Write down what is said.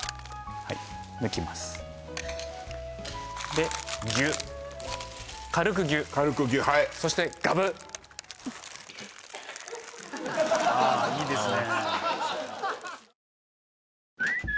はい抜きますでギュッ軽くギュッ軽くギュッはいそしてガブッああいいですね